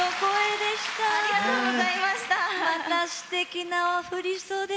またすてきなお振り袖で。